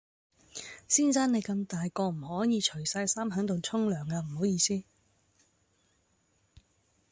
先生你咁大個唔可以除晒衫喺度沖涼啊唔好意思